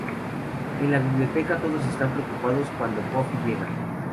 En la biblioteca todos están preocupados cuando Buffy llega.